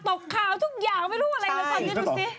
ตกข่าวทุกอย่างไม่รู้อะไรแล้วก่อนดูสิ